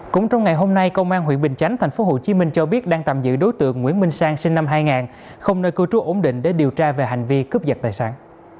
cũng trong ngày hôm nay công an huyện bình chánh thành phố hồ chí minh cho biết đang tạm giữ đối tượng nguyễn minh sang sinh năm hai nghìn không nơi cư trú ổn định để điều tra về hành vi cướp giật tài sản